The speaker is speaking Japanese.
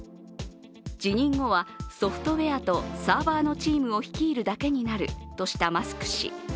辞任後はソフトウェアとサーバーのチームを率いるだけになるとしたマスク氏。